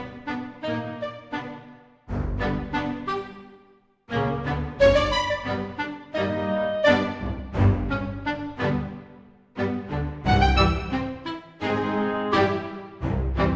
nanti aku gak boleh ketemu sama mama